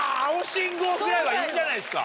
ぐらいはいいんじゃないですか？